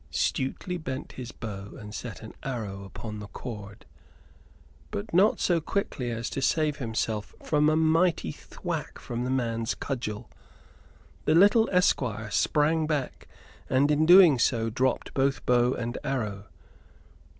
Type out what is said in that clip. Stuteley bent his bow and set an arrow upon the cord, but not so quickly as to save himself from a mighty thwack from the man's cudgel. The little esquire sprang back, and in doing so dropped both bow and arrow.